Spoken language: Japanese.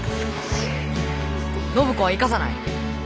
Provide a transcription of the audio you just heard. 暢子は行かさない。